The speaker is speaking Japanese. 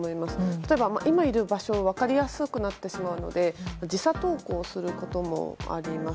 例えば、今いる場所が分かりやすくなってしまうので時差投稿することもあります。